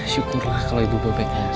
syukurlah kalau ibu baik baik aja